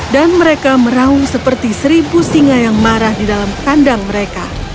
dan mereka merahung seperti seribu singa yang marah di dalam kandang mereka